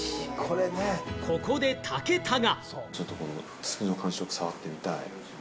ここで武田が。